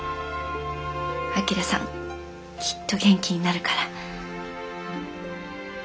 旭さんきっと元気になるから。